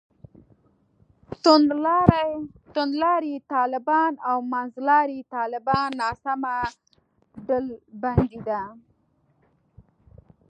توندلاري طالبان او منځلاري طالبان ناسمه ډلبندي ده.